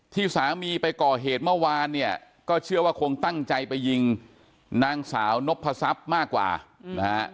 ที่สามีไปก่อเหตุเมื่อวานเนี่ยก็เชื่อว่าคงตั้งใจไปยิงนางสาวนพศัพมากกว่านะฮะ